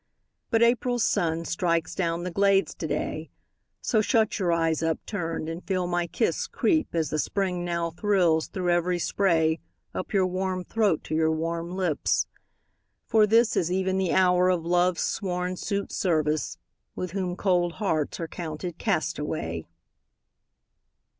But April's sun strikes down the glades to day; So shut your eyes upturned, and feel my kiss Creep, as the Spring now thrills through every spray, Up your warm throat to your warm lips: for this Is even the hour of Love's sworn suitservice, With whom cold hearts are counted castaway.